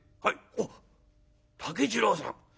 おっ竹次郎さん。